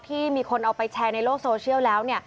ที่มีคนเอาไปแชร์ในโลกโซเชียลแล้ว